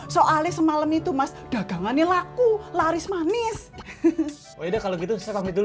soalnya semalam itu mas dagangannya laku laris manis udah kalau gitu saya pamit dulu